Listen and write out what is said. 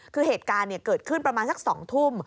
คือเหตุการณ์เกิดขึ้นประมาณสัก๒ทุ่ม